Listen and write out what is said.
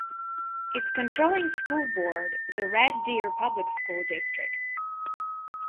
Its controlling school board, the Red Deer Public School District.